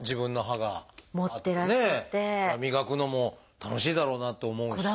歯磨くのも楽しいだろうなって思うし。